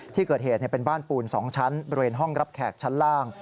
ที่เกิดเหตุเป็นบ้านปูน๒ชั้นบริเวณห้องรับแขกชั้นล่าง